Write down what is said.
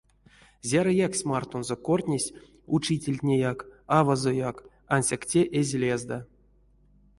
Зярыяксть мартонзо кортнесть учительтнеяк, авазояк, ансяк те эзь лезда.